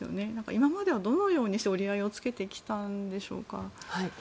今まではどのように折り合いをつけてきたんでしょうか。